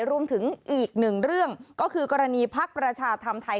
รวมถึงอีกหนึ่งเรื่องก็คือกรณีพักประชาธรรมไทย